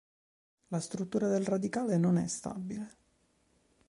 La struttura del radicale non è stabile.